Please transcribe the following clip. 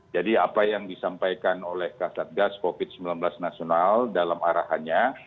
jadi apa yang disampaikan oleh kasargas covid sembilan belas nasional dalam arahannya